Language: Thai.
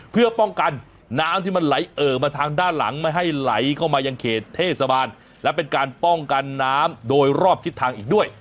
เพื่อป้องกันน้ำที่มันไหลเอ่อมาทางด้านหลังไม่ให้ไหลเข้ามายังเขตเทศบาลและเป็นการป้องกันน้ำโดยรอบทิศทางอีกด้วย